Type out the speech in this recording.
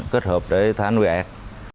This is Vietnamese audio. kết hợp để thả nuôi ẹt